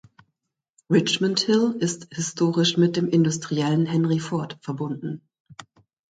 Richmond Hill ist historisch mit dem Industriellen Henry Ford verbunden.